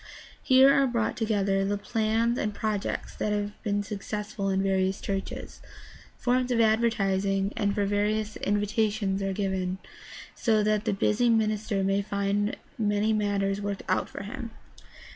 Here are brought together the plans and projects that have been successful in various churches. Forms for advertising and for various invitations are given, so that the busy minis ter may find many matters worked out for him.